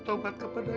tidak ada tamu